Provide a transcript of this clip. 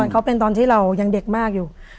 เขาเป็นตอนที่เรายังเด็กมากอยู่